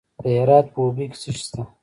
د هرات په اوبې کې څه شی شته؟